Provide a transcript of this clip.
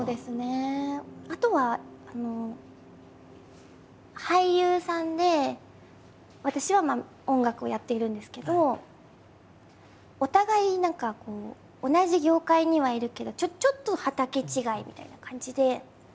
あとは俳優さんで私は音楽をやっているんですけどお互い何か同じ業界にはいるけどちょっと畑違いみたいな感じで。